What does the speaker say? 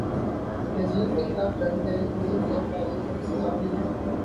یزید کے خلاف جنگ کریں گے یہ الفاظ ایک صحابی